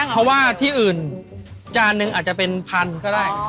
เพราะว่าที่อื่นจานนึงอาจจะเป็นพันก็ได้